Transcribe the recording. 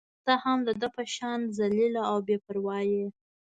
ته هم د ده په شان ذلیله او بې پرواه يې.